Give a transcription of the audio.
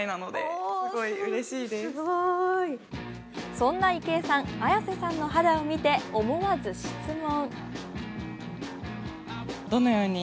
そんな池江さん綾瀬さんの肌を見て思わず質問。